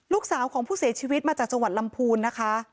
ลูกสาวของผู้เสียชีวิตมาจากจังหวัดลำพูนนะคะ